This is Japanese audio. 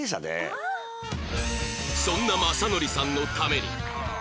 そんな雅紀さんのために